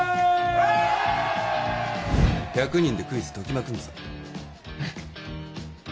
ウエーイ１００人でクイズ解きまくんぞうん